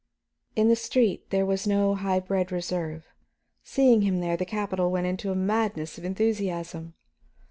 In the streets there was no high bred reserve; seeing him there, the capital went into a madness of enthusiasm.